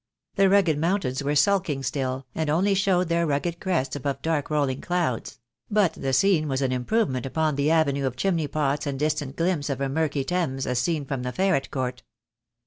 The mountains were sulking still, and only showed their rugged THE DAY WILL COME. 245 crests above dark rolling clouds; but the scene was an improvement upon the avenue of chimney pots and distant glimpse of a murky Thames as seen from Ferret Court.